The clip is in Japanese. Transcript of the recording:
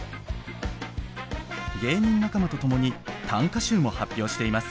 芸人仲間と共に短歌集も発表しています。